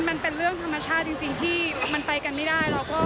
มันเป็นเรื่องธรรมชาติจริงที่มันไปกันไม่ได้